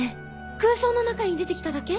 空想の中に出て来ただけ？